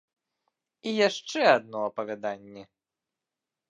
І яшчэ адно апавяданне!